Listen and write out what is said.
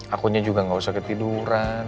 akunya juga gak usah ketiduran